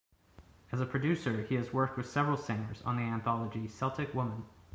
As a producer, he has worked with several singers on the anthology "Celtic Woman".